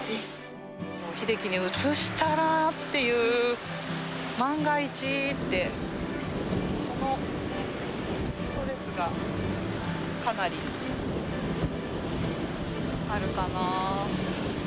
秀樹にうつしたらっていう、万が一って、そのストレスがかなりあるかな。